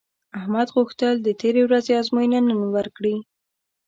احمد غوښتل د تېرې ورځې ازموینه نن ورکړي